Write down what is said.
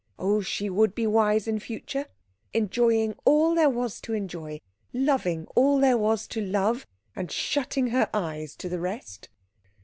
Oh, she would be wise in future, enjoying all there was to enjoy, loving all there was to love, and shutting her eyes to the rest.